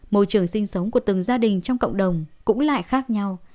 môi trường sinh sống của từng gia đình trong cộng đồng cũng lại khác nhau